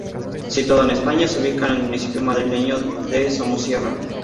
Situado en España, se ubica en el municipio madrileño de Somosierra.